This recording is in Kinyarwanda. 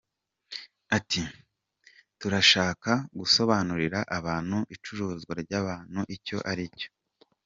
Ati” Turashaka gusobanurira abantu icuruzwa ry’abantu icyo ari cyo.